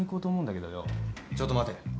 ちょっと待て。